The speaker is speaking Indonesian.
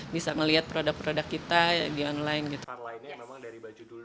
bisa melihat produk produk kita di online gitu